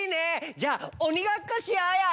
じゃあおにごっこしようよ！